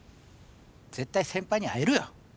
絶対先輩に会えるよ。